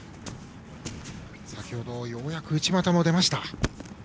先ほどようやく内股も出ました。